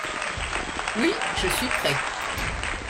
Oui, je suis prêt.